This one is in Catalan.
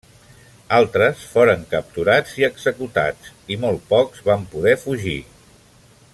Altres foren capturats i executats i molt pocs van poder fugir.